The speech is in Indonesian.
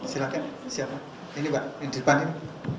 silahkan siapa ini mbak yang di depan ini